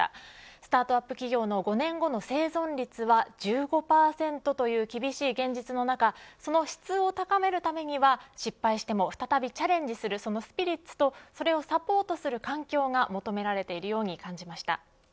スタートアップ企業の５年後の生存率は１５％という厳しい現実の中その質を高めるためには失敗しても再びチャレンジするそのスピリッツとそれをサポートする環境が求められているように感じました。